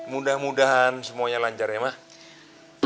mudah mudahan semuanya lancar ya mak